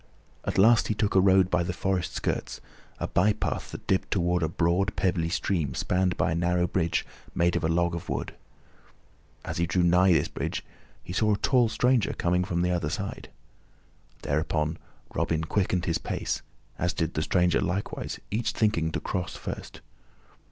At last he took a road by the forest skirts, a bypath that dipped toward a broad, pebbly stream spanned by a narrow bridge made of a log of wood. As he drew nigh this bridge he saw a tall stranger coming from the other side. Thereupon Robin quickened his pace, as did the stranger likewise, each thinking to cross first.